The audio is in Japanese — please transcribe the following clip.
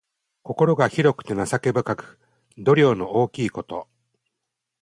心が広くて情け深く、度量の大きいこと。